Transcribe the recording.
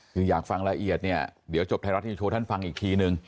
คืออยากฟังละเอียดเนี่ยเดี๋ยวจบไทยรัฐนิวโชว์ท่านฟังอีกทีนึง